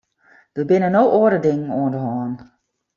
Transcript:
Der binne no oare dingen oan de hân.